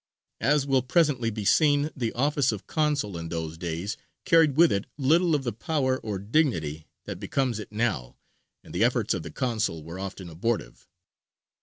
As will presently be seen, the office of consul in those days carried with it little of the power or dignity that becomes it now, and the efforts of the consul were often abortive.